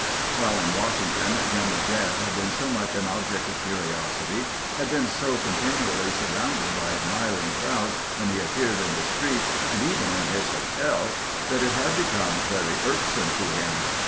While in Washington General Grant had been so much an object of curiosity, and had been so continu ally surrounded by admiring crowds when he appeared in the streets, and even in his hotel, that it had become very irksome to him.